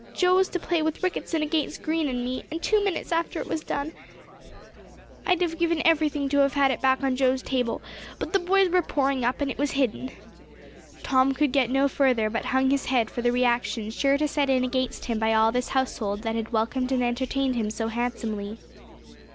Joe was to play with Ricketson against Green and me; and two minutes after it was done, I'd have given everything to have had it back on Joe's table. But the boys were pouring up, and it was hidden." Tom could get no further, but hung his head for the reaction sure to set in against him by all this household that had welcomed and entertained him so handsomely.